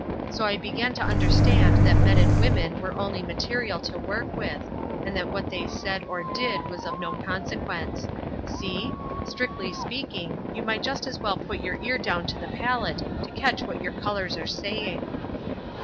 So I began to understand that men and women were only material to work with, and that what they said or did was of no consequence. See? Strictly speaking, you might just as well put your ear down to the palette to catch what your colours are saying."